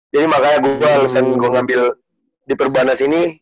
jadi makanya gua alesan gua ngambil di perbanas ini